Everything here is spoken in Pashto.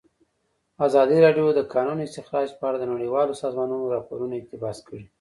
ازادي راډیو د د کانونو استخراج په اړه د نړیوالو سازمانونو راپورونه اقتباس کړي.